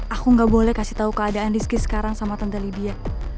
aku gak boleh kasih tahu keadaan rizky sekarang sama tante lidia